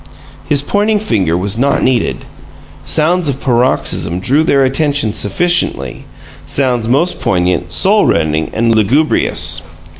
His pointing finger was not needed. Sounds of paroxysm drew their attention sufficiently sounds most poignant, soul rending, and lugubrious.